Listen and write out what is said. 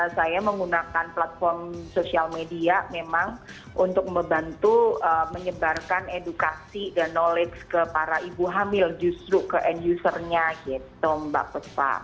saya menggunakan platform sosial media memang untuk membantu menyebarkan edukasi dan knowledge ke para ibu hamil justru ke end usernya gitu mbak puspa